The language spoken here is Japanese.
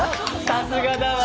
さすがよ。